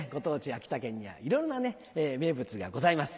秋田県にはいろいろな名物がございます。